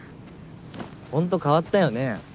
本当変わったよね。